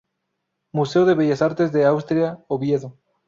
Museo de Bellas Artes de Asturias, Oviedo.